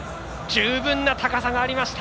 十分な高さがありました。